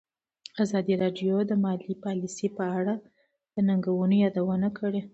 ازادي راډیو د مالي پالیسي په اړه د ننګونو یادونه کړې.